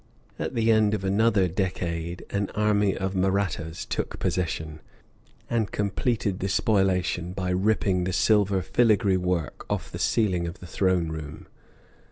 At the end of another decade an army of Mahrattas took possession, and completed the spoilation by ripping the silver filigree work off the ceiling of the Throne room.